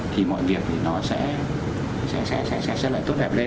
thì mọi việc thì nó sẽ lại tốt đẹp lên